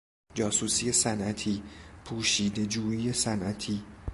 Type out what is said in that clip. جاسوسی صنعتی، پوشیده جویی صنعتی